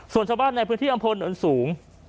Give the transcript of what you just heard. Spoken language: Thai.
ส่วนชาวบ้านในพื้นที่อำเภอเนินสูง